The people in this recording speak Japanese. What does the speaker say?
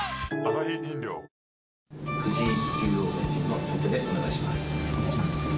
藤井聡太七冠の先手でお願いします。